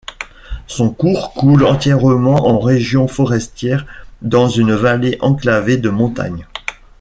Son cours coule entièrement en région forestière dans une vallée enclavée de montagnes.